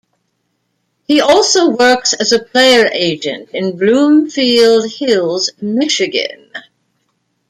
He also works as a player agent in Bloomfield Hills, Michigan.